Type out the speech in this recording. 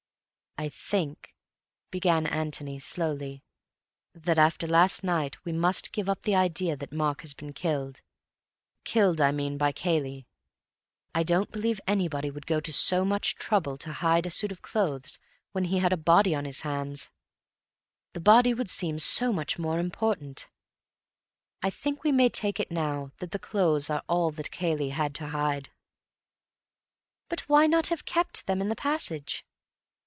"I think," began Antony slowly, "that after last night we must give up the idea that Mark has been killed; killed, I mean, by Cayley. I don't believe anybody would go to so much trouble to hide a suit of clothes when he had a body on his hands. The body would seem so much more important. I think we may take it now that the clothes are all that Cayley had to hide." "But why not have kept them in the passage?"